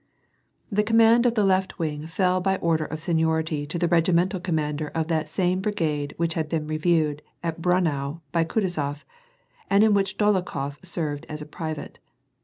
The command of the left wing fell by order of seniority to the regimental commander of that same brigade which had been reviewed at Braunau by Kutuzof, and in which Dolokhof served as a private.